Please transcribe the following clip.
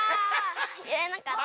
いえなかった。